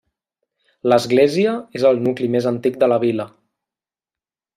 L'església és al nucli més antic de la vila.